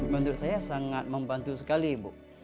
menurut saya sangat membantu sekali ibu